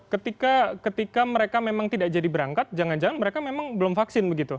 ketika mereka memang tidak jadi berangkat jangan jangan mereka memang belum vaksin begitu